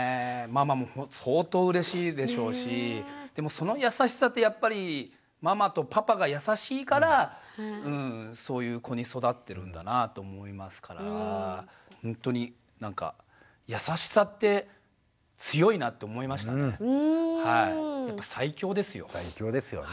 ママも相当うれしいでしょうしでもその優しさってやっぱりママとパパが優しいからそういう子に育ってるんだなぁと思いますからほんとになんか最強ですよね。